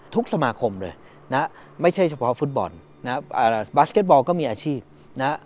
สมาคมเลยนะไม่ใช่เฉพาะฟุตบอลนะครับบาสเก็ตบอลก็มีอาชีพนะ